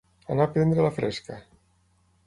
Anar a prendre la fresca.